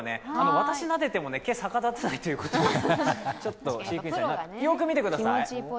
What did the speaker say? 私がなでても、毛が逆立たないということで、よーく見てください。